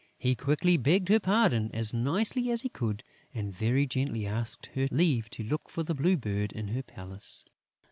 He quickly begged her pardon, as nicely as he could; and very gently asked her leave to look for the Blue Bird in her palace.